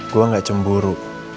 gue gak cemburu